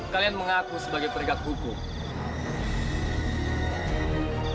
kalian mengaku sebagai peringkat hukum